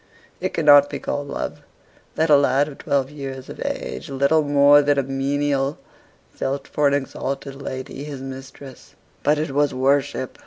It cannot be called love, that a lad of twelve years of age, little more than a menial, felt for an exalted lady, his mistress: but it was worship.